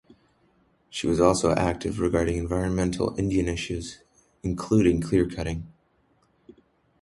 She was also active regarding environmental Indian issues, including clearcutting.